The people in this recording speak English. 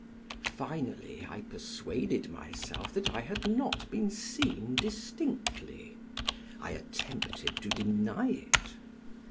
Finally I persuaded myself that I had not been seen distinctly; I attempted to deny it.